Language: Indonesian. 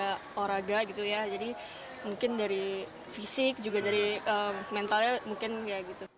ada olahraga gitu ya jadi mungkin dari fisik juga dari mentalnya mungkin ya gitu